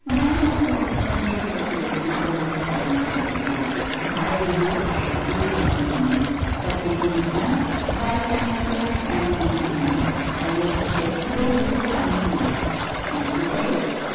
" "London affords plenty of facilities for most studies, " said the Duke; " if I were you I should lose not a moment, but begin at once whilst I had so much time on my hands. I noticed yesterday you were fond of music. Can you play?